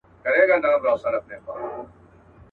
ورښودلي خپل استاد وه څو شعرونه.